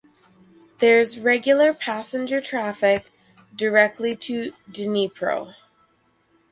There is regular passenger traffic directly to Dnipro.